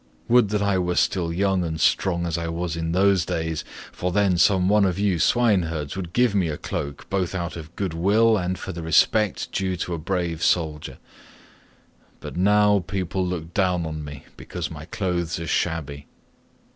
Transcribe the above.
Would that I were still young and strong as I was in those days, for then some one of you swineherds would give me a cloak both out of good will and for the respect due to a brave soldier; but now people look down upon me because my clothes are shabby."